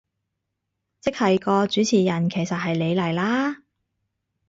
即係個主持人其實係你嚟啦